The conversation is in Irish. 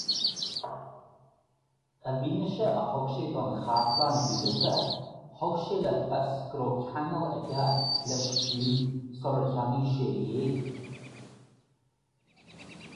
I bhfianaise a thug sé don Chartlann Mhíleata, thug sé le fios go raibh ceangal aige leis fiú sular cheannaigh sé é.